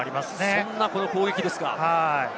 そんな攻撃ですか。